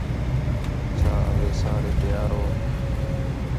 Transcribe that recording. چَھا اَوئے سارے تیار ہو